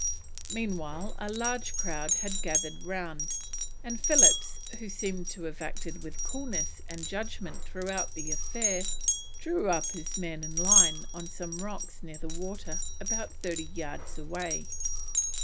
Meanwhile a large crowd had gathered round, and Phillips, who seems to have acted with coolness and judgment throughout the affair, drew up his men in line on some rocks near the water, about thirty yards away.